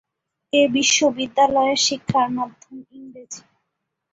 এ বিশ্ববিদ্যালয়ের শিক্ষার মাধ্যম ইংরেজি।